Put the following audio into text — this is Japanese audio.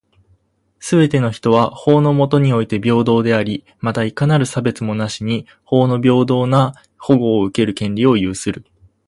すべての人は、法の下において平等であり、また、いかなる差別もなしに法の平等な保護を受ける権利を有する。